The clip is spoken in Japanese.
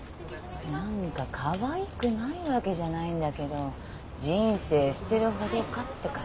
何かかわいくないわけじゃないんだけど「人生捨てるほどか？」って感じよね。